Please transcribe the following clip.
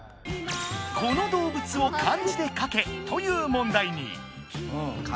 「この動物を漢字で書け」という問題に。